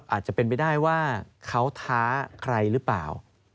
อาจจะเป็นไปได้ว่าเขาท้าใครหรือเปล่า